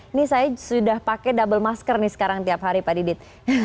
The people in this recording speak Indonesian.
ini saya sudah pakai double masker nih sekarang tiap hari pak didit